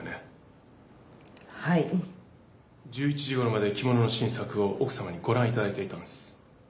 １１時頃まで着物の新作を奥様にご覧いただいていたんです。